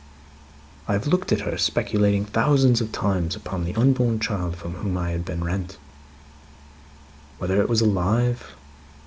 "I have looked at her, speculating thousands of times upon the unborn child from whom I had been rent. Whether it was alive.